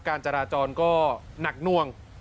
การจราจรก็หนักน่วง